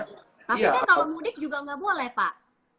tapi kan kalau mudik juga nggak boleh pak